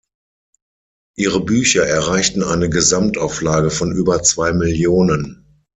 Ihre Bücher erreichten eine Gesamtauflage von über zwei Millionen.